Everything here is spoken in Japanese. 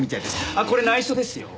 あっこれ内緒ですよ。